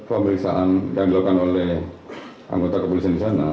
ya jadi hasil pemeriksaan yang dilakukan oleh anggota kepolisian di sana